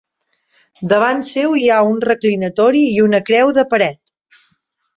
Davant seu hi ha un reclinatori i una creu de paret.